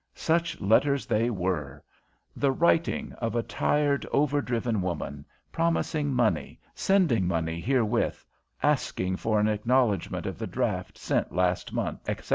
Such letters they were! The writing of a tired, overdriven woman; promising money, sending money herewith, asking for an acknowledgment of the draft sent last month, etc.